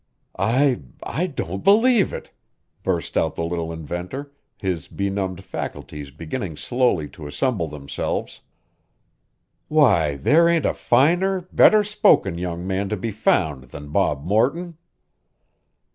"I I don't believe it," burst out the little inventor, his benumbed faculties beginning slowly to assemble themselves. "Why, there ain't a finer, better spoken young man to be found than Bob Morton."